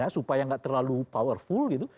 supaya nggak terlalu powerful gitu